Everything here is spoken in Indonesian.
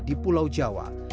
di pulau jawa